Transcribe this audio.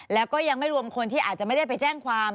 แล้วก็ยังไม่รวมคนที่อาจจะไม่ได้ไปแจ้งความ